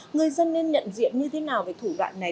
người dân nên nhận diện như thế nào về thủ đoạn này